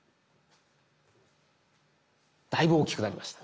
だいぶ大きくなりました。